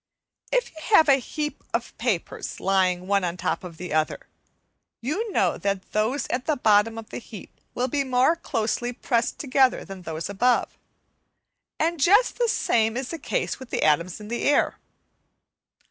If you have a heap of papers lying one on the top of the other, you know that those at the bottom of the heap will be more closely pressed together than those above, and just the same is the case with the atoms of the air.